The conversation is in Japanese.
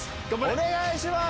お願いします！